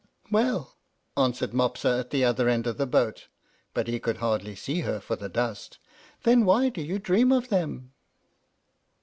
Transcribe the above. "Well," answered Mopsa, at the other end of the boat (but he could hardly see her for the dust), "then why do you dream of them?"